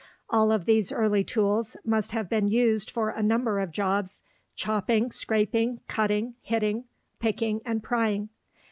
All of these early tools must have been used for a number of jobs chopping, scraping, cutting, hitting, picking, and prying.